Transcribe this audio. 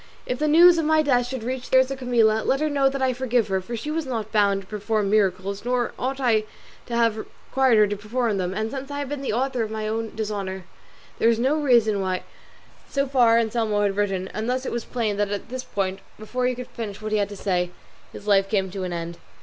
If the news of my death should reach the ears of Camilla, let her know that I forgive her, for she was not bound to perform miracles, nor ought I to have required her to perform them; and since I have been the author of my own dishonour, there is no reason why " So far Anselmo had written, and thus it was plain that at this point, before he could finish what he had to say, his life came to an end.